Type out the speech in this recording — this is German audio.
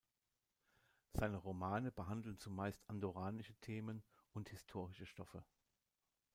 Seine Romane behandeln zumeist andorranische Themen und historische Stoffe.